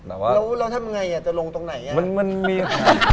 แล้วเราทำไงจะลงตรงไหน